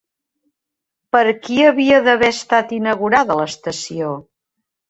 Per qui havia d'haver estat inaugurada l'estació?